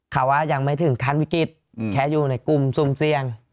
เขาว่ายังไม่ถึงขั้นวิกฤตแค่อยู่ในกลุ่มซุ่มเสี่ยง